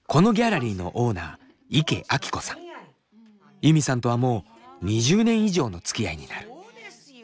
ユミさんとはもう２０年以上のつきあいになる。